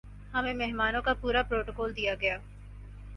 ہمیں مہمانوں کا پورا پروٹوکول دیا گیا